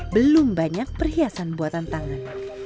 belum banyak perhiasan buatan tangan